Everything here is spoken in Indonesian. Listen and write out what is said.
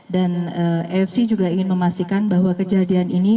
dan afc juga ingin memastikan bahwa kejadian ini